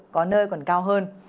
có nơi còn cao hơn